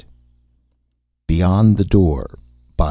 _ beyond the door _by